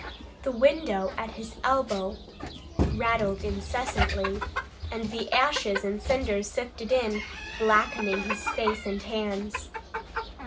The window at his elbow rattled incessantly, and the ashes and cinders sifted in, blackening his face and hands.